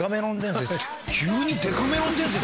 急に。